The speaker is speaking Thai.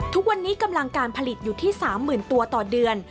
ทุกวันนี้กำลังการผลิตอยู่ที่๓๐๐๐ตัวต่อเดือน